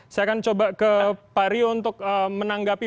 saya akan coba ke pak rio untuk menanggapi